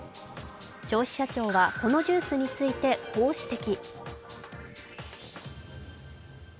消費者庁はこのジュースについてこう指摘。